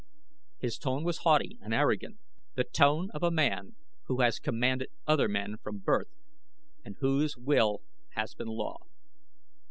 His tone was haughty and arrogant the tone of a man who has commanded other men from birth, and whose will has been law.